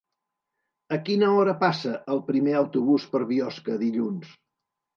A quina hora passa el primer autobús per Biosca dilluns?